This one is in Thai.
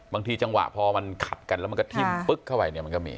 บางทีจังหวะพอมันขัดกันแล้วมันก็ทิ้มปึ๊กเข้าไปเนี่ยมันก็มี